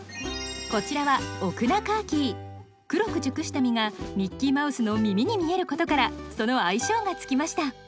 こちらはオクナカーキー黒く熟した実がミッキーマウスの耳に見えることからその愛称がつきました